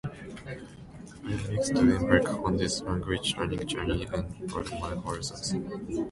I am excited to embark on this language-learning journey and broaden my horizons.